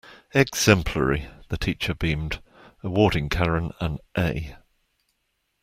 Exemplary, the teacher beamed, awarding Karen an A.